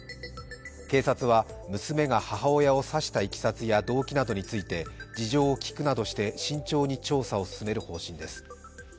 警察は、娘が母親を刺したいきさつや動機などについて事情を聴くなどして慎重に捜査を進める方針です。